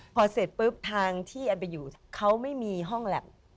พอเสร็จปุ๊บทางที่แอนไปอยู่เขาไม่มีห้องแล็บ